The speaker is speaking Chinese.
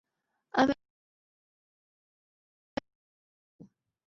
安倍晴明也是长年以来日式动漫游戏热门的借鉴人物。